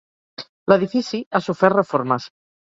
L'edifici ha sofert reformes.